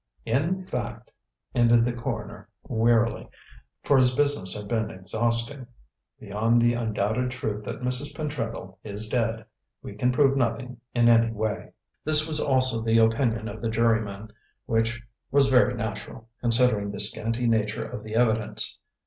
"In fact!" ended the coroner wearily, for his business had been exhausting, "beyond the undoubted truth that Mrs. Pentreddle is dead, we can prove nothing in any way." This was also the opinion of the jurymen, which was very natural, considering the scanty nature of the evidence.